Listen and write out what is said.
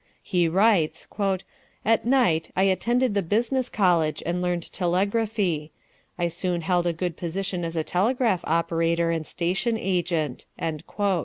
He writes: "At night I attended the Business College, and learned telegraphy. I soon held a good position as a telegraph operator and station agent."